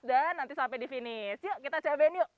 dan nanti sampai di finish yuk kita cobain yuk